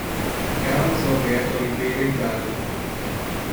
Carlos Alberto Oliveira Idagua